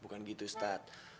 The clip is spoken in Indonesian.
bukan gitu ustaz